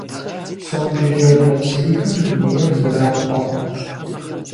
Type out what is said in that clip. Сондэджэр нэпсейхэм дунейр зэрапхъуэ.